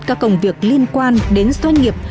các công việc liên quan đến doanh nghiệp